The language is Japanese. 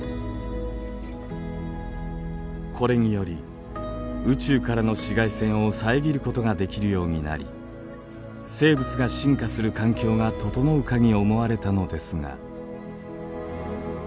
これにより宇宙からの紫外線を遮ることができるようになり生物が進化する環境が整うかに思われたのですが。